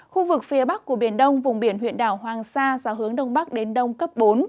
khu vực phía bắc của biển đông vùng biển huyện đảo hoàng sa gió hướng đông bắc đến đông cấp bốn